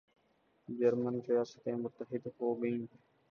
German ریاستیں متحد ہوگئیں